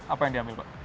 apa yang diambil pak